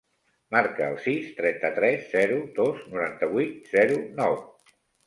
Marca el sis, trenta-tres, zero, dos, noranta-vuit, zero, nou.